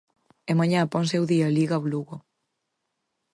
E mañá ponse ao día Liga o Lugo.